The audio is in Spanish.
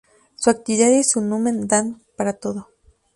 Su actividad y su numen dan para todo.